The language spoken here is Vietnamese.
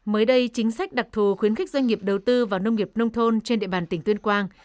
mới đây chính sách đặc thù khuyến khích doanh nghiệp đầu tư vào nông nghiệp nông thôn trên địa bàn tỉnh tuyên quang